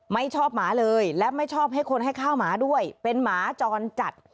ไม่ชอบหมาเลยและไม่ชอบให้คนให้ข้าวหมาด้วยเป็นหมาจรจัด